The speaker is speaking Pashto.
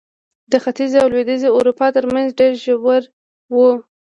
د ختیځې او لوېدیځې اروپا ترمنځ ډېر ژور و.